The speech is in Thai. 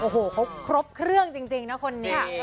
โอ้โหเขาครบเครื่องจริงนะคนนี้